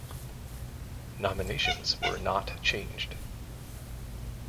Nominations were not changed.